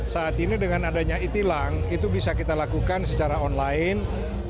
saat ini dengan adanya e tilang itu bisa kita lakukan secara online